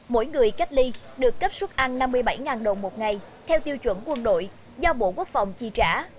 mỗi người cách ly được cấp suất ăn năm mươi bảy đồng một ngày theo tiêu chuẩn quân đội do bộ quốc phòng chi trả